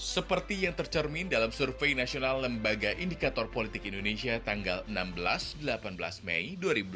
seperti yang tercermin dalam survei nasional lembaga indikator politik indonesia tanggal enam belas delapan belas mei dua ribu dua puluh